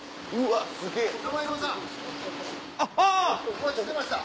お待ちしてました！